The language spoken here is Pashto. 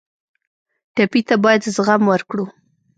ټپي ته باید زغم ورکړو.